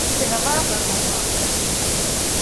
疏花绣线梅为蔷薇科绣线梅属下的一个种。